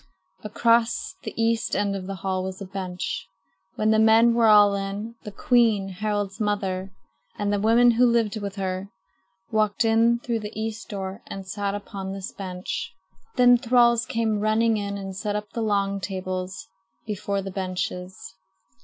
Across the east end of the hall was a bench. When the men were all in, the queen, Harald's mother, and the women who lived with her, walked in through the east door and sat upon this bench. Then thralls came running in and set up the long tables before the benches.